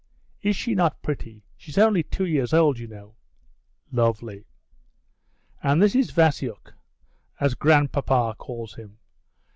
"Is she not pretty? She's only two years old, you know." "Lovely." "And this is Vasiuk, as 'grandpapa' calls him.